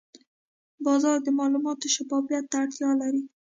بازار د معلوماتو شفافیت ته اړتیا لري.